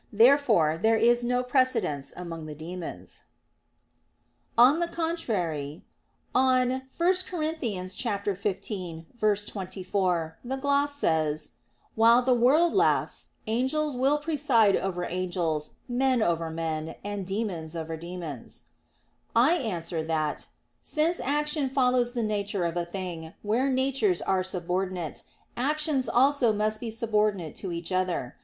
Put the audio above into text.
Therefore there is no precedence among the demons. On the contrary, On 1 Cor. 15:24 the gloss says: "While the world lasts, angels will preside over angels, men over men, and demons over demons." I answer that, Since action follows the nature of a thing, where natures are subordinate, actions also must be subordinate to each other.